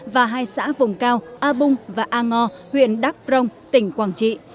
và hai xã vùng cao a bung và a ngo huyện đắc prong tỉnh quảng trị